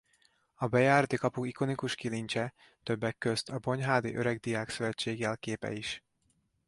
A bejárati kapu ikonikus kilincse többek közt a Bonyhádi Öregdiák Szövetség jelképe is.